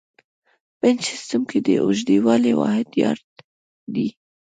په انچ سیسټم کې د اوږدوالي واحد یارډ دی.